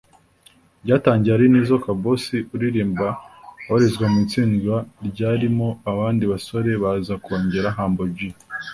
Byatangiye ari Nizzo Kabosi uririmba abarizwa mu itsinda ryarimo abandi basore baza kongeramo Humble G